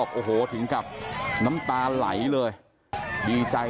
พอขึ้นบนรถเนี่ย